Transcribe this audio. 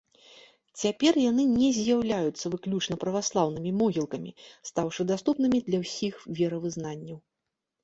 Цяпер яны не з'яўляюцца выключна праваслаўнымі могілкамі, стаўшы даступнымі для ўсіх веравызнанняў.